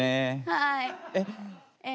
はい。